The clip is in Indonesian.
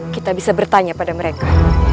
kita bisa bertanya pada mereka